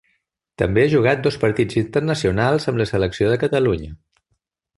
També ha jugat dos partits internacionals amb la selecció de Catalunya.